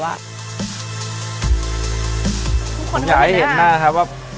เค้าเค้าเห็นนะครับอยากให้เห็นหน้าครับว่า